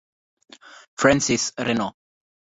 Francis Renaud